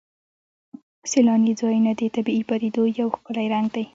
سیلاني ځایونه د طبیعي پدیدو یو ښکلی رنګ دی.